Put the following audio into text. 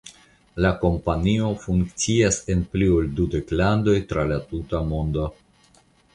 La kompanio funkcias en pli ol dudek landoj tra la tuta mondo.